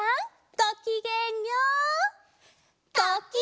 ごきげんよう！